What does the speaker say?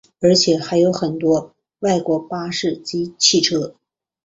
而且还有很多外国巴士及汽车。